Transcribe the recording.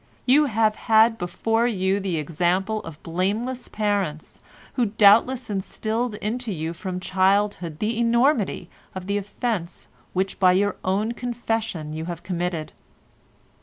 You have had before you the example of blameless parents, who doubtless instilled into you from childhood the enormity of the offence which by your own confession you have committed.